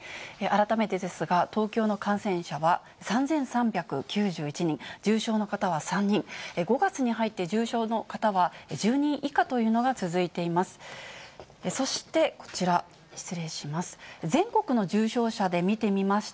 改めてですが、東京の感染者は、３３９１人、重症の方は３人、５月に入って、重症の方は１０人以下というのが続いています。